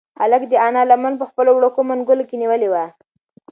هلک د انا لمن په خپلو وړوکو منگولو کې نیولې وه.